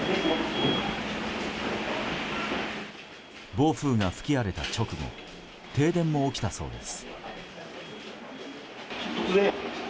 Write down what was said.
暴風が吹き荒れた直後停電も起きたそうです。